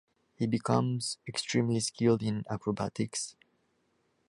He becomes extremely skilled in acrobatics.